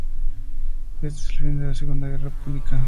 Este es el fin de la segunda guerra púnica.